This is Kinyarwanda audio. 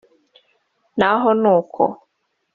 naho ni uko